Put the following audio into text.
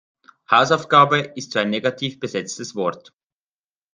Hausaufgabe ist so ein negativ besetztes Wort.